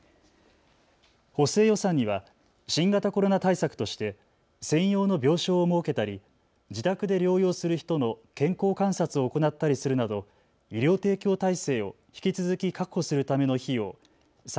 補正予算には新型コロナ対策として専用の病床を設けたり自宅で療養する人の健康観察を行ったりするなど医療提供体制を引き続き確保するための費用